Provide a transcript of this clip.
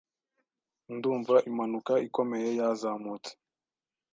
Ndumva impanuka ikomeye yazamutse